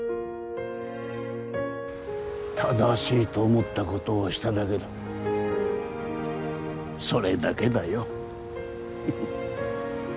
正しいと思ったことをしただけだそれだけだよ